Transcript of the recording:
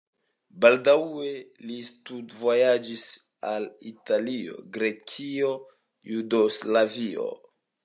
Baldaŭe li studvojaĝis al Italio, Grekio, Jugoslavio.